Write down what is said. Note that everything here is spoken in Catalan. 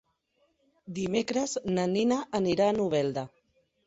Dimecres na Nina anirà a Novelda.